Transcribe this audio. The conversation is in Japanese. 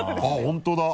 本当だ！